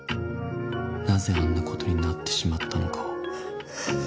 なぜあんなことになってしまったのかを。